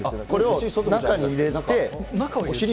これを中に入れて。